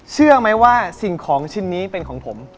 เชื่อไหมว่าสิ่งของชิ้นนี้เป็นของผม